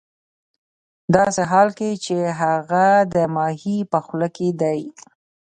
ه داسې حال کې چې هغه د ماهي په خوله کې دی